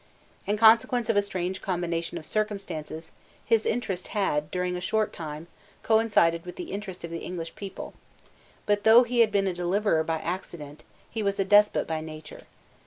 In consequence of a strange combination of circumstances, his interest had, during a short time, coincided with the interest of the English people: but though he had been a deliverer by accident, he was a despot by nature.